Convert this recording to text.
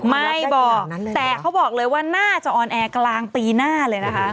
ไม่บอกแต่เขาบอกเลยว่าน่าจะออนแอร์กลางปีหน้าเลยนะคะ